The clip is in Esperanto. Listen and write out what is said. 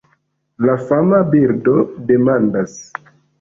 La fama birdo demandas: